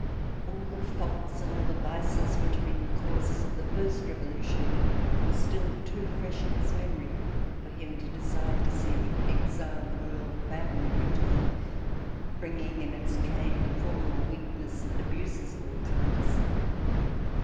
All the faults and all the vices which had been the causes of the First Revolution were still too fresh in his memory for him to desire to see the C381] RECOLLECTIONS OF THE REVOLUTION exiled Royal Family return, bringing in its train the former weakness and abuses of all kinds.